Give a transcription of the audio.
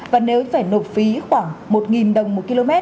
và nếu phải nộp phí khoảng một đồng một km